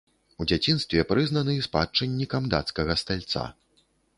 У дзяцінстве прызнаны спадчыннікам дацкага стальца.